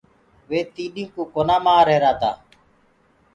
وي تيڏينٚ ڪو ڪونآ مر رهيرآ تآ۔